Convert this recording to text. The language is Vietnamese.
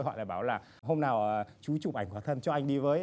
họ lại bảo là hôm nào chú chụp ảnh quả thân cho anh đi với